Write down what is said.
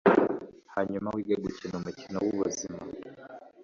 Hanyuma wige gukina umukino wubuzima,